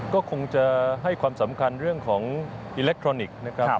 ก็คงจะให้ความสำคัญเรื่องของอิเล็กทรอนิกส์นะครับ